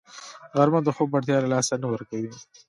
غرمه د خوب اړتیا له لاسه نه ورکوي